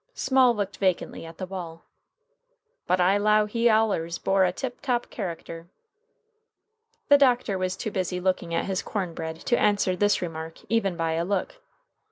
Small looked vacantly at the wall. "But I low he's allers bore a tip top character." The doctor was too busy looking at his corn bread to answer this remark even by a look.